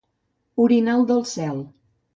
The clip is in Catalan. Orinal del cel.